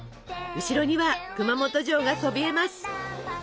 後ろには熊本城がそびえます！